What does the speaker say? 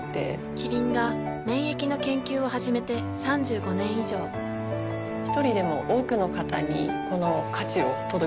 キリンが免疫の研究を始めて３５年以上一人でも多くの方にこの価値を届けていきたいと思っています。